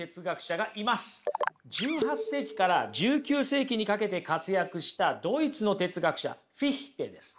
１８世紀から１９世紀にかけて活躍したドイツの哲学者フィヒテです。